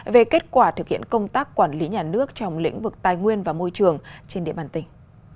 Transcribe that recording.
về kết quả thực hiện công tác quản lý nhà nước trong lĩnh vực tài nguyên và môi trường trên địa bàn tỉnh